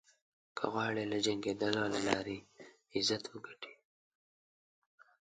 هغه غواړي له جنګېدلو له لارې عزت وګټي.